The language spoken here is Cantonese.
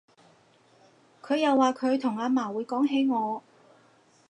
佢又話佢同阿嫲會講起我